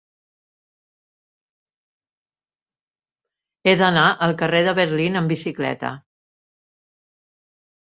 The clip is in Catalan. He d'anar al carrer de Berlín amb bicicleta.